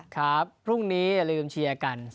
ครับพรุ่งนี้อย่าลืมเชียร์กัน